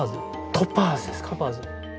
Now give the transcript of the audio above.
トパーズ。